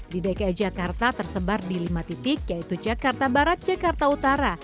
di dki jakarta tersebar di lima titik yaitu jakarta barat jakarta utara